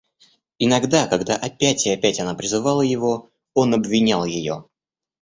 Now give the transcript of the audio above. Иногда, когда опять и опять она призывала его, он обвинял ее.